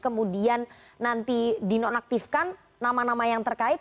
kemudian nanti dinonaktifkan nama nama yang terkait